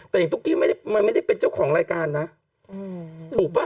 แต่อย่างทุกทีมันไม่ได้เป็นเจ้าของรายการนะถูกปะ